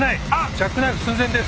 ジャックナイフ寸前です。